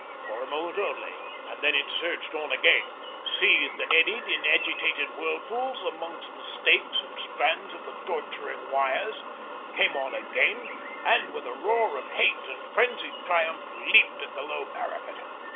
For a moment only, and then it surged on again, seethed and eddied in agitated whirlpools amongst the stakes and strands of the torturing wires, came on again, and with a roar of hate and frenzied triumph leaped at the low parapet.